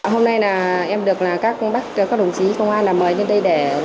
hôm nay em được các đồng chí công an mời đến đây để